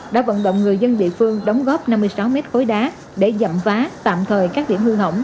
đã vận động người dân địa phương đóng góp năm mươi sáu mét khối đá để dặm vá tạm thời các điểm hư hỏng